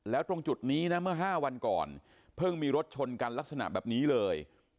แล้วตรงจุดนี้นะเมื่อ๕วันก่อนเพิ่งมีรถชนกันลักษณะแบบนี้เลย